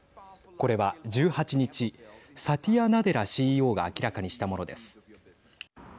これは１８日サティア・ナデラＣＥＯが明らかにしたものです。